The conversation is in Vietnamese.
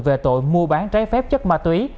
về tội mua bán trái phép chất ma túy